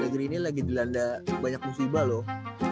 negeri ini lagi dilanda banyak musibah loh